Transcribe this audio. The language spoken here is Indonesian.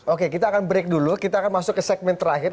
oke kita akan break dulu kita akan masuk ke segmen terakhir